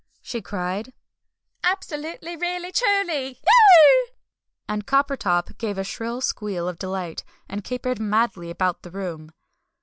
she cried, "absolutely really truly! Eeeeeuggh!" and Coppertop gave a shrill squeal of delight, and capered madly about the room.